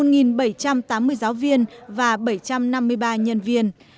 một bảy trăm tám mươi giáo viên và bảy trăm năm mươi ba nhân viên